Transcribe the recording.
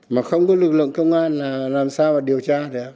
mà không có lực lượng công an là làm sao mà điều tra được